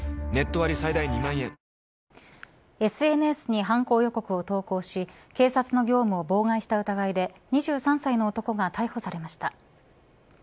ＳＮＳに犯行予告を投稿し警察の業務を妨害した疑いで２３歳の男が逮捕されました。